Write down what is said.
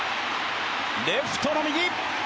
レフトの右。